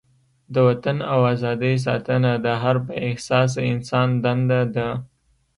د وطن او ازادۍ ساتنه د هر با احساسه انسان دنده ده.